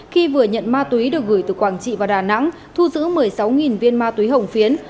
khi vừa nhận ma túy được gửi từ quảng trị vào đà nẵng thu giữ một mươi sáu viên ma túy hồng phiến